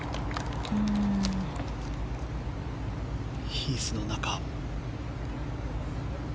ヒースの中。